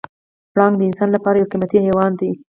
پړانګ د انسان لپاره یو قیمتي حیوان دی.